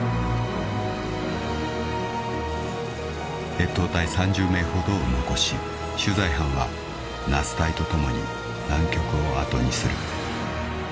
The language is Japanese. ［越冬隊３０名ほどを残し取材班は夏隊と共に南極を後にする］